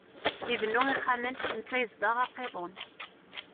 Ibennu ixxamen, netta yezdeɣ aqiḍun.